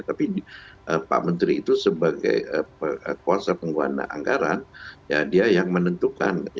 tapi pak menteri itu sebagai kuasa pengguna anggaran ya dia yang menentukan